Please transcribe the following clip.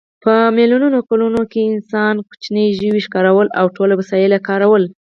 په میلیونو کلونو کې انسان کوچني ژوي ښکارول او ټول وسایل یې کارول.